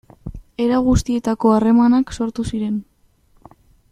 Era guztietako harremanak sortu ziren.